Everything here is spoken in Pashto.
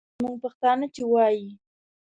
لکه زموږ پښتانه چې وایي.